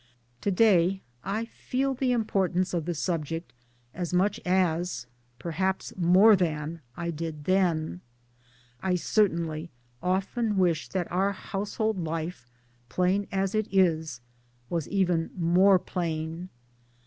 To day I feel the importance of the subject as much as perhaps more than I did then. I certainly often wish that our household life, plain as it is, was even more plain.